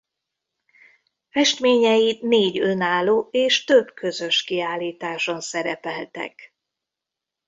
Festményei négy önálló és több közös kiállításon szerepeltek.